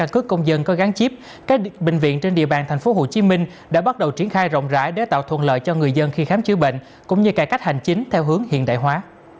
các bệnh viện trên địa bàn thành phố hồ chí minh đã bắt đầu triển khai rộng rãi để tạo thuận lợi cho người dân khi khám chứa bệnh cũng như cải cách hành chính theo hướng hiện đại hóa